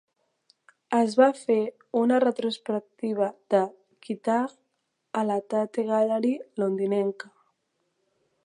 Es va fer una retrospectiva de Kitaj a la Tate Gallery londinenca.